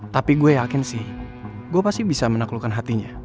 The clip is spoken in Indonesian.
tapi gue yakin sih gue pasti bisa menaklukkan hatinya